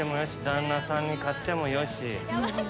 旦那さんに買ってもよし。